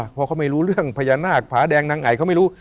เพราะเขาไม่รู้เรื่องพญานาคผาแดงนางไอเขาไม่รู้